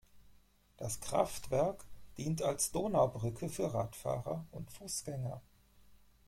Das Kraftwerk dient als Donaubrücke für Radfahrer und Fußgänger.